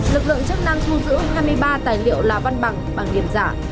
lực lượng chức năng thu giữ hai mươi ba tài liệu là văn bằng bằng tiền giả